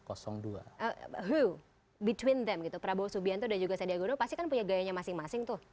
who between them gitu prabowo subianto dan juga sadia gono pasti kan punya gayanya masing masing tuh